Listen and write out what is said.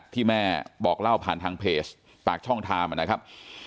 ที่แม่บอกเล่าผ่านทางเพจปากช่องไทม์นะครับ